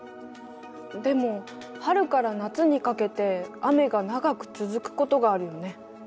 でも春から夏にかけて雨が長く続くことがあるよね。